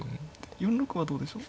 ４六はどうでしょう。